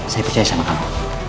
saya percaya sama kamu